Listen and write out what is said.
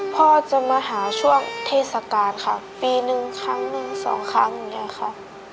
พ่อจะมาหาช่วงเทศกาลค่ะปีหนึ่งครั้งหนึ่งสองครั้งอย่างนี้ค่ะ